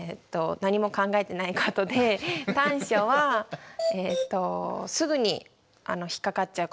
何も考えてない事で短所はえっとすぐに引っ掛かっちゃう事。